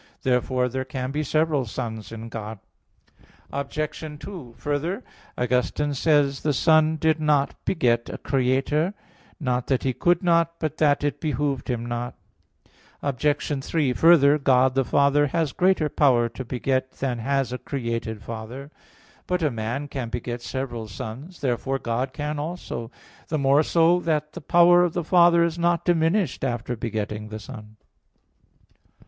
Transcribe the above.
Therefore there can be several Sons in God. Obj. 2: Further, Augustine says (Contra Maxim. iii, 12): "The Son did not beget a Creator: not that He could not, but that it behoved Him not." Obj. 3: Further, God the Father has greater power to beget than has a created father. But a man can beget several sons. Therefore God can also: the more so that the power of the Father is not diminished after begetting the Son.